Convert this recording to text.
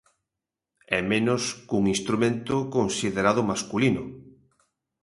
E menos cun instrumento considerado masculino.